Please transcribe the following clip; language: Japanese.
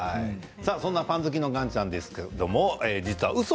そんなパン好きの岩ちゃんですけども実はウソ？